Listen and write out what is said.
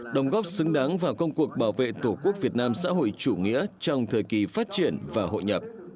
đồng góp xứng đáng vào công cuộc bảo vệ tổ quốc việt nam xã hội chủ nghĩa trong thời kỳ phát triển và hội nhập